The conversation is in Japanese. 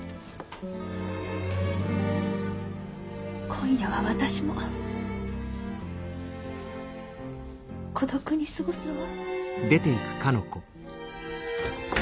今夜は私も孤独に過ごすわ。